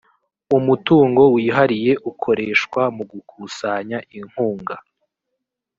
umutungo wihariye ukoreshwa mu gukusanya inkunga